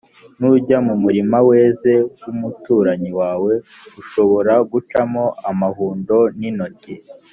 nujya mu murima weze w’umuturanyi wawe, ushobora gucamo amahundo n’intoki;